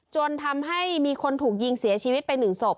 จนทำให้มีคนถูกยิงเสียชีวิตไป๑ศพ